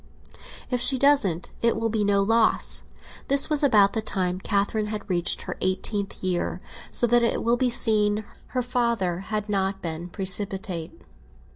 If she doesn't, it will be no loss." This was about the time Catherine had reached her eighteenth year, so that it will be seen her father had not been precipitate.